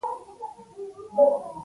موږ ته ناوې راکړئ مازدیګر دی.